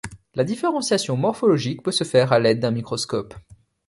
La différenciation morphologique peut se faire à l'aide d'un microscope.